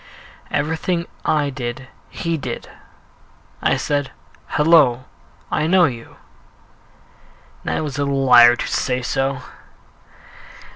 Everything I did he did. I said, "Hello, I know you." And I was a liar to say so.